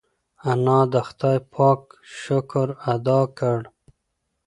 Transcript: انا د خدای پاک شکر ادا کړ.